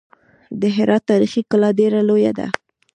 د هرات تاریخي کلا ډېره لویه ده.